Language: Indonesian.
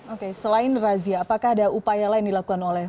oke selain razia apakah ada upaya lain dilakukan oleh